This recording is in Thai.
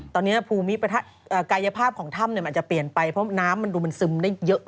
ตอนนี้ภูมิกายภาพของถ้ำมันจะเปลี่ยนไปเพราะน้ำมันดูมันซึมได้เยอะ